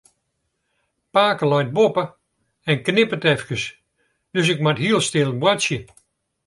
Pake leit boppe en knipperet efkes, dus ik moat hiel stil boartsje.